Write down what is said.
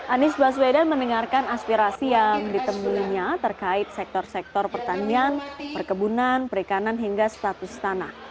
anies baswedan mendengarkan aspirasi yang ditemuinya terkait sektor sektor pertanian perkebunan perikanan hingga status tanah